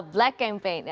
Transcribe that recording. black campaign ya